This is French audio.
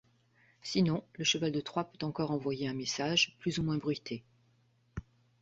Sinon, le Cheval de Troie peut encore envoyer un message plus ou moins bruité.